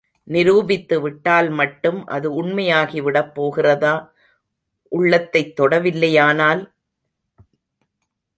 நிரூபித்து விட்டால் மட்டும் அது உண்மையாகி விடப் போகிறதா உள்ளத்தைத் தொட வில்லையானால்?